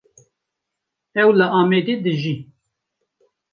Ew li Amedê dijî.